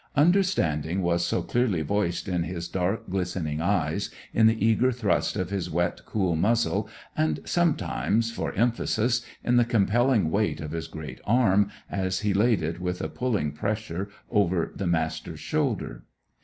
Understanding was so clearly voiced in his dark, glistening eyes, in the eager thrust of his wet, cool muzzle, and sometimes, for emphasis, in the compelling weight of his great arm, as he laid it, with a pulling pressure, over the Master's shoulder.